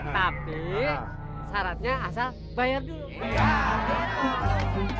tapi syaratnya asal bayar dulu